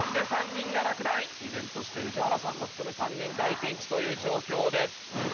依然として宇治原さんを含む３人大ピンチという状況です。